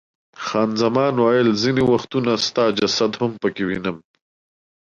خان زمان وویل، ځیني وختونه ستا جسد هم پکې وینم.